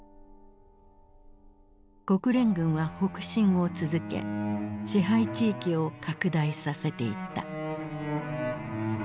国連軍は北進を続け支配地域を拡大させていった。